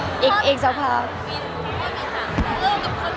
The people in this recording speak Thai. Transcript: มันเป็นเรื่องน่ารักที่เวลาเจอกันเราต้องแซวอะไรอย่างเงี้ย